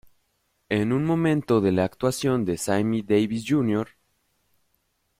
En un momento de la actuación de Sammy Davis, Jr.